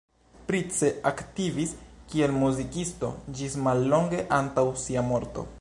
Price aktivis kiel muzikisto ĝis mallonge antaŭ sia morto.